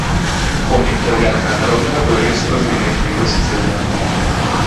Помнік драўлянага народнага дойлідства з элементамі класіцызму.